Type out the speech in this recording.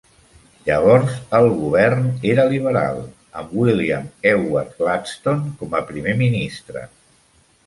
Llavors el govern era liberal, amb William Ewart Gladstone com a Primer Ministre.